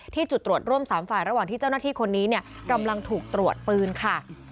ที่จุดตรวจร่วม๓ฝ่ายระหว่างที่เจ้าหน้าที่คนนี้กำลังถูกตรวจปืนค่ะ